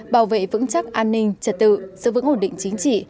bảo vệ vững chắc an ninh trật tự giữ vững ổn định chính trị